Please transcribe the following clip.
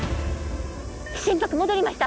心拍戻りました